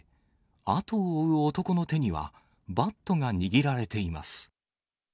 後を追う男の手には、バットが握られています。